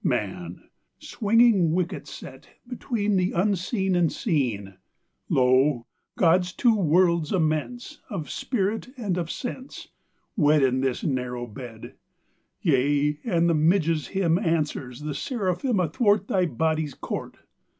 Man! swinging wicket set Between The Unseen and Seen, Lo, God's two worlds immense, Of spirit and of sense, Wed In this narrow bed; Yea, and the midge's hymn Answers the seraphim Athwart Thy body's court!